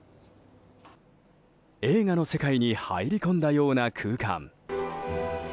映画の世界に入り込んだような空間。